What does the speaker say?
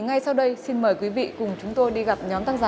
ngay sau đây xin mời quý vị cùng chúng tôi đi gặp nhóm tác giả